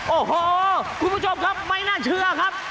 โอ้โหคุณผู้ชมครับไม่น่าเชื่อครับ